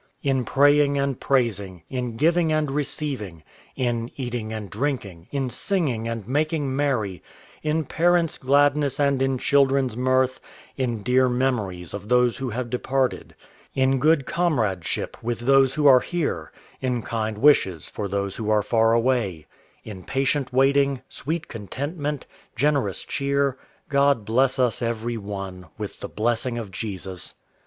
In praying and praising, in giving and receiving, In eating and drinking, in singing and making merry, In parents' gladness and in children's mirth, In dear memories of those who have departed, In good comradeship with those who are here, In kind wishes for those who are far away, In patient waiting, sweet contentment, generous cheer, God bless us every one, with the blessing of Jesus.